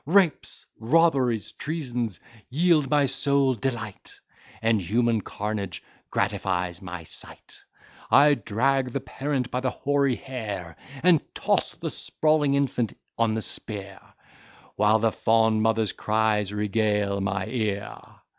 Rapes, robberies, treasons, yield my soul delight, And human carnage gratifies my sight: I drag the parent by the hoary hair, And toss the sprawling infant on the spear, While the fond mother's cries regale my ear.